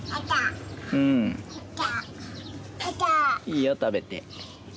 いいよ食べて。